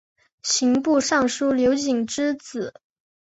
刑部尚书刘璟之子。